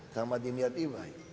sama dimyati baik